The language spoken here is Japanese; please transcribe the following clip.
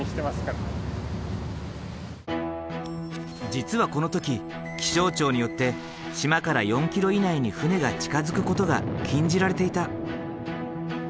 実はこの時気象庁によって島から４ｋｍ以内に船が近づくことが禁じられていた。